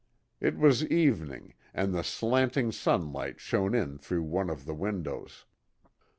It was evening, and the slanting sunlight shone in through one of the windows.